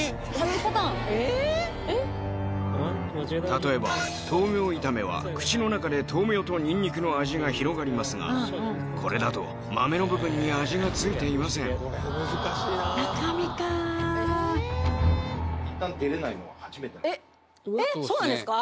例えば豆苗炒めは口の中で豆苗とニンニクの味が広がりますがこれだと豆の部分に味が付いていません中身かえっそうなんですか？